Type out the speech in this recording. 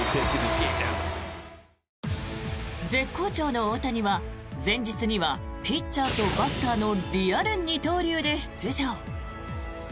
絶好調の大谷は前日にはピッチャーとバッターのリアル二刀流で出場。